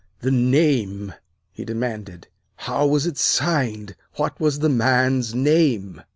"The name!" he demanded. "How was it signed? What was the man's name!"